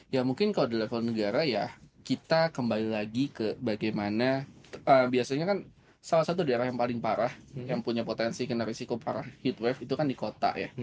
ya mungkin kalau di level negara ya kita kembali lagi ke bagaimana biasanya kan salah satu daerah yang paling parah yang punya potensi kena risiko para heat wave itu kan di kota ya